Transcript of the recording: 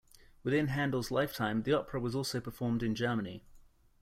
Within Handel's lifetime, the opera was also performed in Germany.